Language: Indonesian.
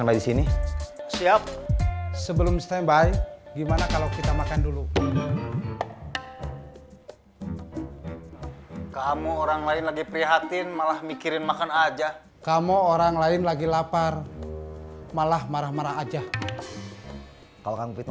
masih di rumah sakit